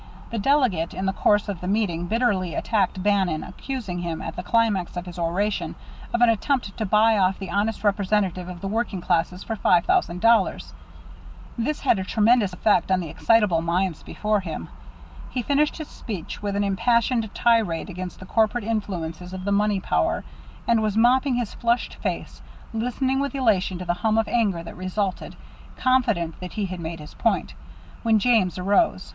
The delegate, in the course of the meeting, bitterly attacked Bannon, accusing him, at the climax of his oration, of an attempt to buy off the honest representative of the working classes for five thousand dollars. This had a tremendous effect on the excitable minds before him. He finished his speech with an impassioned tirade against the corrupt influences of the money power, and was mopping his flushed face, listening with elation to the hum of anger that resulted, confident that he had made his point, when James arose.